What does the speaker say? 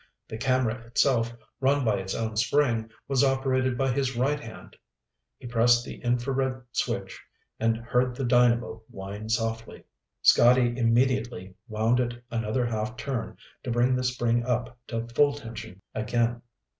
The camera itself, run by its own spring, was operated by his right hand. He pressed the infrared switch and heard the dynamo whine softly. Scotty immediately wound it another half turn to bring the spring up to full tension again.